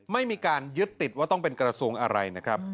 ไม่มีการยึดติดว่าต้องเป็นกระทรวงอะไรนะครับ